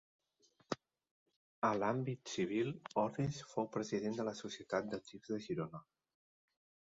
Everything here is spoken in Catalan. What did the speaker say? A l'àmbit civil, Ordis fou president de la Societat de Tir de Girona.